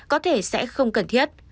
có thể sẽ không cần thiết